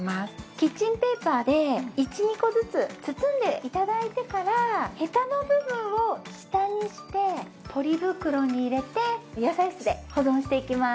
キッチンペーパーで１２個ずつ包んで頂いてからヘタの部分を下にしてポリ袋に入れて野菜室で保存していきます。